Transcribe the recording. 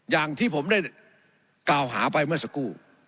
อย่างที่ผมได้กล่าวหาไปเมื่อสักครู่